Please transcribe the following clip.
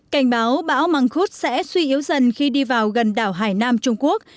cảnh báo bão măng khuốt sẽ suy yếu dần khi đi vào gần đảo hải nam trung quốc